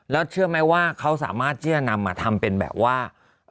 แล้วเชื่อไหมว่าเขาสามารถที่จะนำมาทำเป็นแบบว่า